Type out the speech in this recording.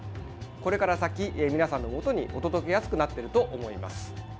これから先、皆さんのもとにお届けやすくなっていると思います。